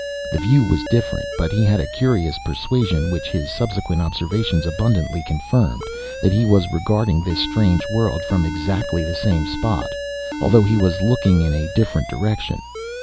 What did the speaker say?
The view was different, but he had a curious persuasion, which his subsequent observations abundantly confirmed, that he was regarding this strange world from exactly the same spot, although he was looking in a different direction.